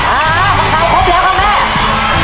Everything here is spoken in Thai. อ่ากะไทยพบแล้วครับแม่